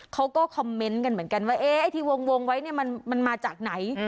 เขาก็คอมเมนต์กันเหมือนกันว่าไอ้ที่วงไว้เนี่ยมันมาจากไหน